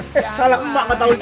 eh salah emak tau gitu